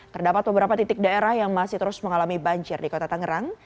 terdapat beberapa titik daerah yang masih terus mengalami banjir di kota tangerang